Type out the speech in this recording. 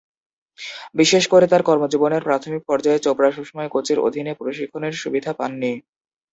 বিশেষ করে তার কর্মজীবনের প্রাথমিক পর্যায়ে চোপড়া সবসময় কোচের অধীনে প্রশিক্ষণের সুবিধা পাননি।